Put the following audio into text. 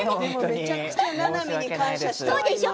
めちゃくちゃななみに感謝しなくちゃ。